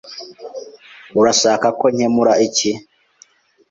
Urashaka ko nkemura iki?